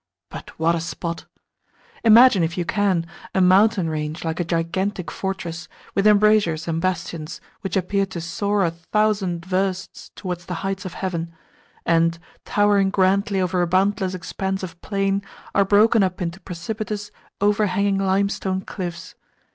But what a spot! Imagine, if you can, a mountain range like a gigantic fortress, with embrasures and bastions which appear to soar a thousand versts towards the heights of heaven, and, towering grandly over a boundless expanse of plain, are broken up into precipitous, overhanging limestone cliffs.